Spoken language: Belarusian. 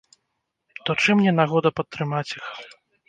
То чым не нагода падтрымаць іх?